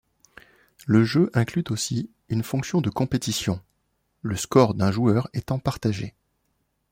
Le jeu inclut aussi une fonction de compétition, le score d'un joueur étant partagé.